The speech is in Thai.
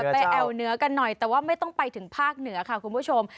แอวเหนือกันหน่อยแต่ว่าไม่ต้องไปถึงภาคเหนือค่ะคุณผู้ชม